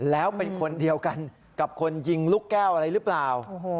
แล้วเป็นคนเดียวกันกับคนยิงลูกแก้วอะไรหรือเปล่า